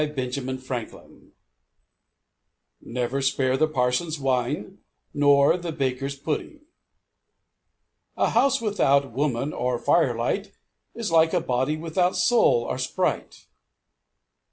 BENJAMIN FRANKLIN MAXIMS Never spare the parson's wine, nor the baker's pudding. A house without woman or firelight is like a body without soul or sprite.